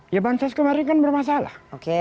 ya bansos kemarin kan bermasalah